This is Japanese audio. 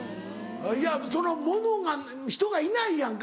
いやそのものが人がいないやんか。